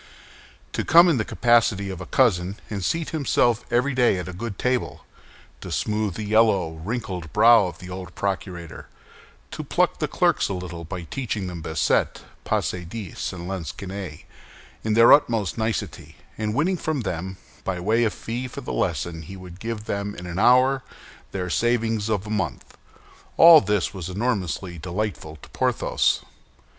To come in the capacity of a cousin, and seat himself every day at a good table; to smooth the yellow, wrinkled brow of the old procurator; to pluck the clerks a little by teaching them bassette, passe dix, and lansquenet, in their utmost nicety, and winning from them, by way of fee for the lesson he would give them in an hour, their savings of a month—all this was enormously delightful to Porthos.